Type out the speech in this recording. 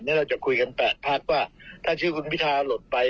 เมื่อเราจะคุยกันแปดพักว่าถ้าชื่อคุณพิทราหลดไหน